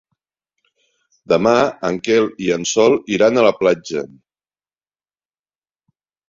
Demà en Quel i en Sol iran a la platja.